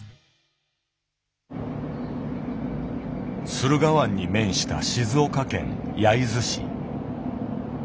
駿河湾に面した静岡県焼津市。